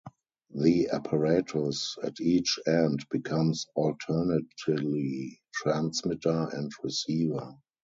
The apparatus at each end becomes alternately transmitter and receiver.